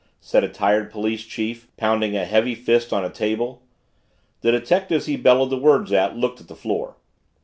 said a tired police chief, pounding a heavy fist on a table. The detectives he bellowed the words at looked at the floor.